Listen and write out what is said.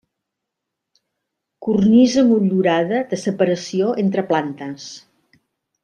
Cornisa motllurada de separació entre plantes.